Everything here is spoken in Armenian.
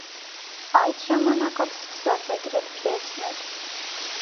Այդ ժամանակ ալ սկսած է գրել փիեսներ։